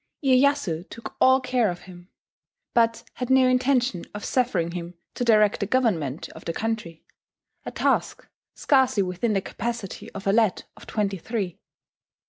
Iyeyasu took all care of him, but had no intention of suffering him to direct the government of the country, a task scarcely within the capacity of a lad of twenty three.